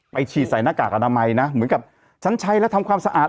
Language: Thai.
ฉีดใส่หน้ากากอนามัยนะเหมือนกับฉันใช้แล้วทำความสะอาด